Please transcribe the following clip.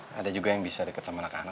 sampai jumpa di video selanjutnya